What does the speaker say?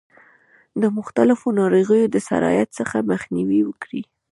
د مختلفو ناروغیو د سرایت څخه مخنیوی وکړي.